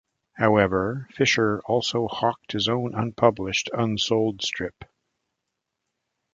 However, Fisher also hawked his own unpublished, unsold strip.